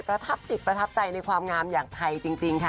ทับจิตประทับใจในความงามอย่างไทยจริงค่ะ